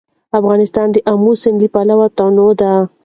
افغانستان د آمو سیند له پلوه متنوع دی.